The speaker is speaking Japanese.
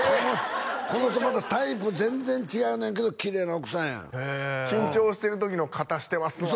この人またタイプ全然違うねんけどきれいな奥さんや緊張してる時の肩してますわ嘘？